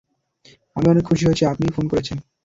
আমি অনেক খুশি হয়েছি, আপনিই ফোন করেছেন।